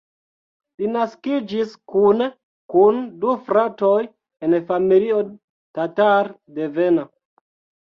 Li naskiĝis kune kun du fratoj en familio tatar-devena.